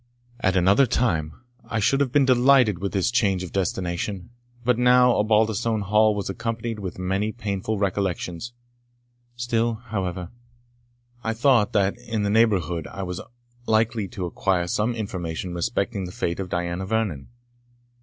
At another time I should have been delighted with this change of destination. But now Osbaldistone Hall was accompanied with many painful recollections. Still, however, I thought, that in that neighbourhood only I was likely to acquire some information respecting the fate of Diana Vernon.